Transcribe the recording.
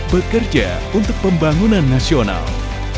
bekerja untuk pembangunan nasional